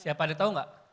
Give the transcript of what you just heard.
siapa ada yang tahu enggak